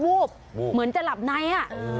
บุ๊บเหมือนจะหลับในอะ